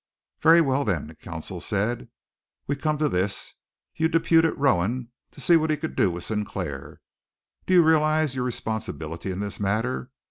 "Very well, then," counsel said, "we come to this. You deputed Rowan to see what he could do with Sinclair. Do you realize your responsibility in this matter?